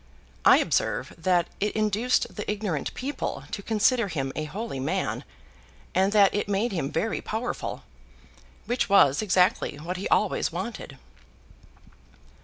I observe that it induced the ignorant people to consider him a holy man, and that it made him very powerful. Which was exactly what he always wanted.